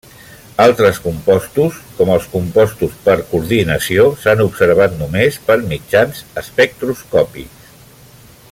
Altres compostos com els compostos per coordinació s'han observat només per mitjans espectroscòpics.